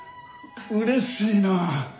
うれしいな！